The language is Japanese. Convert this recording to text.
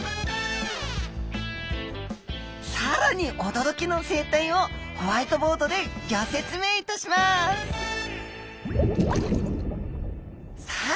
更に驚きの生態をホワイトボードでギョ説明いたしますさあ